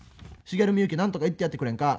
茂みゆき何とか言ってやってくれんか』。